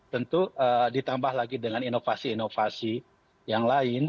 tentu ditambah lagi dengan inovasi inovasi yang lain